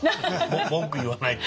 文句言わないって。